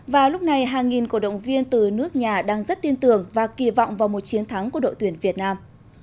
và lúc này hàng nghìn cổ động viên từ nước nhà đang rất tin tưởng và kỳ vọng vào một chiến thắng của đội tuyển việt nam